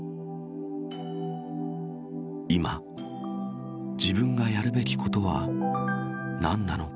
今、自分がやるべきことは何なのか。